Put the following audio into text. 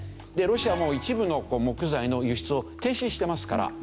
ロシアもう一部の木材の輸出を停止してますから。